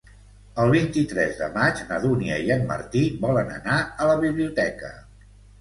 El vint-i-tres de maig na Dúnia i en Martí volen anar a la biblioteca.